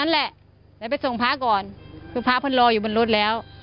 และไปส่งพ้าก่อนเพื่อพ้าพันรออยู่บนรถแล้ว